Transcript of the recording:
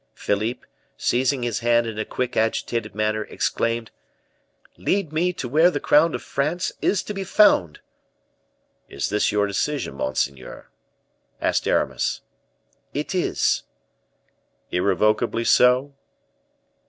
Philippe, seizing his hand in a quick, agitated manner, exclaimed: "Lead me to where the crown of France is to be found." "Is this your decision, monseigneur?" asked Aramis. "It is." "Irrevocably so?"